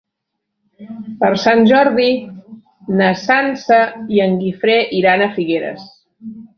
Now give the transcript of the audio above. Per Sant Jordi na Sança i en Guifré iran a Figueres.